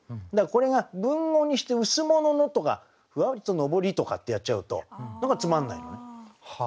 これが文語にして「羅の」とか「ふわりと昇り」とかってやっちゃうと何かつまんないよね。